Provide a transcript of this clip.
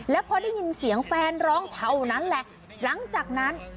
แล้วพอได้ยินเสียงแฟนร้องเท่านั้นแหละหลังจากนั้น